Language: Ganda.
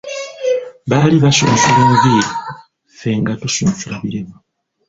Baali basunsula enviiri, Ffe nga tusunsula birevu.